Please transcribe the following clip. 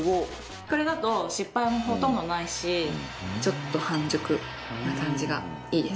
これだと失敗もほとんどないしちょっと半熟な感じがいいですね。